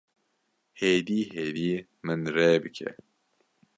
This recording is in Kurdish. Hêdî hêdî min rê bike